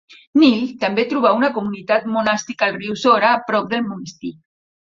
Nil també trobà una comunitat monàstica al riu Sora a prop del monestir.